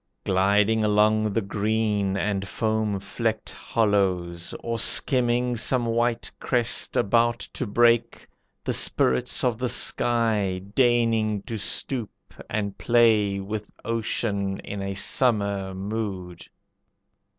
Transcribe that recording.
Gliding along the green and foam flecked hollows, Or skimming some white crest about to break, The spirits of the sky deigning to stoop And play with ocean in a summer mood.